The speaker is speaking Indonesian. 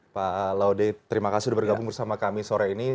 pak laude terima kasih sudah bergabung bersama kami sore ini